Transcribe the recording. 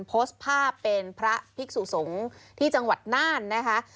โพสต์ภาพเป็นพระภิกษุสงฆ์ที่จังหวัดน่านนะคะ